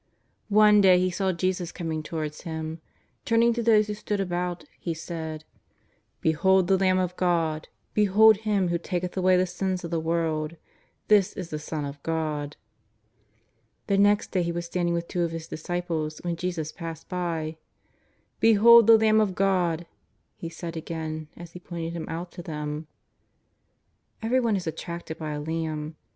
One day he saw Jesus coming towards him. Turning to those who stood about, he said :" Behold the Lamb of God, behold Him who taketh away the sin of the world, this is the Son of God.'^ The next day he was standing with two of his disci ples when Jesus passed by: " Behold the Lamb of God," he said again, as he pointed Him out to them. Everyone is attracted by a lamb.